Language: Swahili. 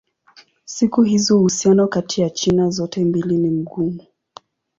Siku hizi uhusiano kati ya China zote mbili ni mgumu.